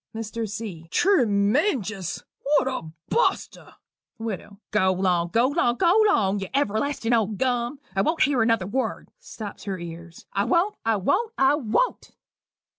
MR. C. "Treemenjous! What a buster!" WIDOW. "Go 'long go 'long go 'long, you everlastin' old gum. I won't hear another word" [stops her ears]. "I won't, I won't, I won't."